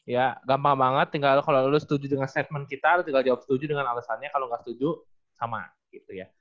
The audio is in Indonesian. ya gampang banget tinggal kalau lu setuju dengan statement kita tinggal jawab setuju dengan alasannya kalau nggak setuju sama gitu ya